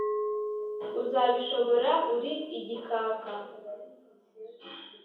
uzabishobora uri ikikaka